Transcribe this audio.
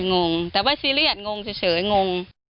งงแต่ว่าซีเรียสงงเฉยงง